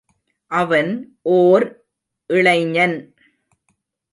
அவன் ஓர் இளைஞன்.